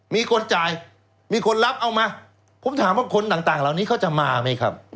มีคนจ่ายมีคนรับเอามาผมถามว่าคนต่างเหล่านี้เขาจะมาไหมครับ